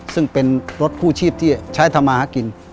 ซึ่งเป็นรถกู้ชีพที่ใช้ทำมาหากิน